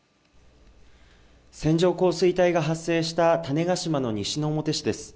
線状降水帯が発生した種子島の西之表市です。